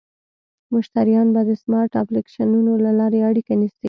مشتریان به د سمارټ اپلیکیشنونو له لارې اړیکه نیسي.